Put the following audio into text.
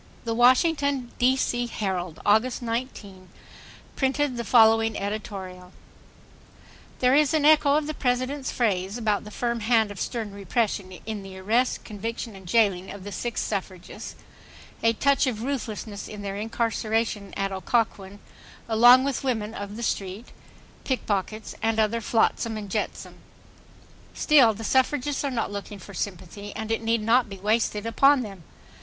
The Washington (D. C.) Herald, August 19, printed the following editorial: There is an echo of the President's phrase about the "firm hand of stern repression" in the arrest, conviction and jailing of the six suffragists; a touch of ruthlessness in their incarceration at Occoquan along with women of the street, pickpockets and other flotsam and jetsam. Still, the suffragists are not looking for sympathy, and it need not be wasted upon them.